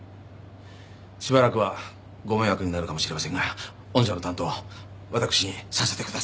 しばらくはご迷惑になるかもしれませんが御社の担当私にさせてください。